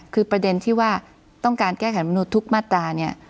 คือประเด็นที่ว่าต้องการแก้ไขมนุษย์ทุกมาตราเนี่ย